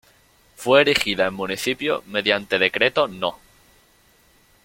Fue erigida en municipio mediante Decreto No.